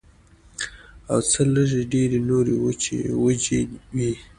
او څۀ لږې ډېرې نورې وجې وي